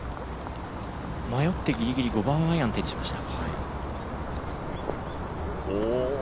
迷ってギリギリ５番アイアンを手にしました。